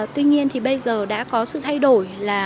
tuy nhiên thì bây giờ đã có sự thay đổi là